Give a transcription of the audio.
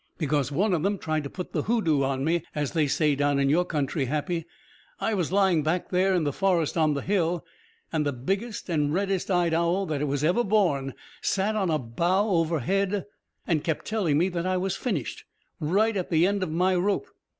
"Because one of them tried to put the hoodoo on me as they say down in your country, Happy. I was lying back there in the forest on the hill and the biggest and reddest eyed owl that was ever born sat on a bough over head, and kept telling me that I was finished, right at the end of my rope.